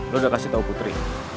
lo udah kasih tau putri